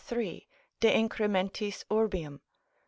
de incrementis urbium.